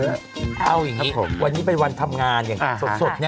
เอาอย่างนี้ครับผมวันนี้เป็นวันทำงานอย่างสดเนี่ย